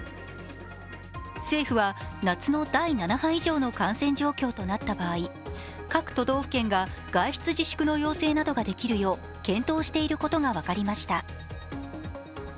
政府は夏の第７波以上の感染状況となった場合各都道府県が外出自粛の要請などができるよう検討していることが分かりました。